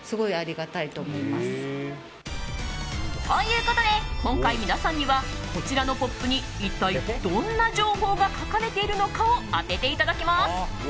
ということで、今回皆さんにはこちらのポップに一体どんな情報が書かれているのかを当てていただきます。